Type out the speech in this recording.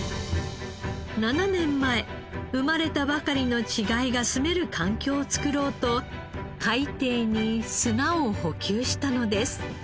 ７年前生まれたばかりの稚貝がすめる環境を作ろうと海底に砂を補給したのです。